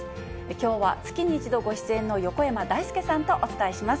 きょうは月に１度ご出演の横山だいすけさんとお伝えします。